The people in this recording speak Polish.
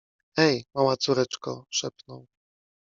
— Ej, mała córeczko! — szepnął.